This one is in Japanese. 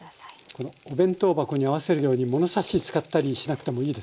このお弁当箱に合わせるようにものさし使ったりしなくてもいいですか？